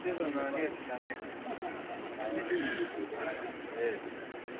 linakubali na kutangaza Injili habari njema ya Yesu Kristo Kanisa